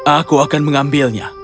aku akan mengambilnya